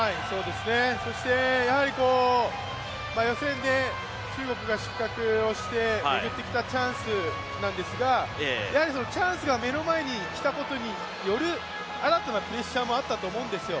そして、やはり予選で中国が失格をして巡ってきたチャンスなんですが、やはり、チャンスが目の前にきたことによる新たなプレッシャーもあったと思うんですよ。